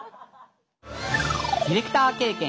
ディレクター経験